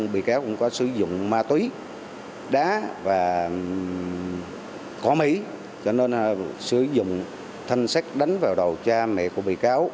bị cáo cũng có sử dụng ma túy đá và khó mỉ cho nên sử dụng thanh sách đánh vào đầu cha mẹ của bị cáo